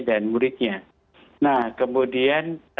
dan muridnya nah kemudian